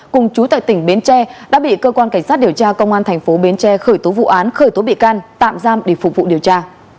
cùng chú tại tỉnh bến tre đã bị cơ quan cảnh sát điều tra công an thành phố bến tre khởi tố vụ án khởi tố bị can tạm giam để phục vụ điều tra